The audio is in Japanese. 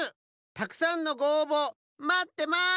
たくさんのごおうぼまってます！